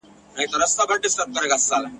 چي یې ځان وي قربان کړی هغه هېر وي `